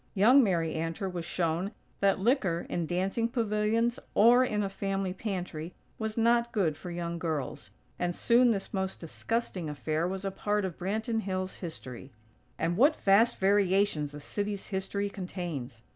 Young Mary Antor was shown that liquor, in dancing pavilions or in a family pantry was not good for young girls; and soon this most disgusting affair was a part of Branton Hills' history. And what vast variations a city's history contains!